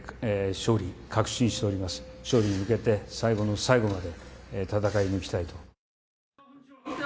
勝利に向けて最後の最後まで戦い抜きたいと。